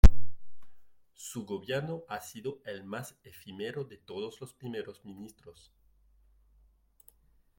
Su gobierno ha sido el más efímero de todos los Primeros Ministros.